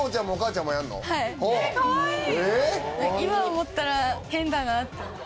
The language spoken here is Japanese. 今思ったら変だなって。